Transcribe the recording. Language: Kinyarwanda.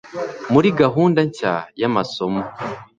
muri gahunda nshya y amasomo